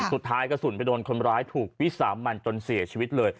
กระสุนไปโดนคนร้ายถูกวิสามันจนเสียชีวิตเลย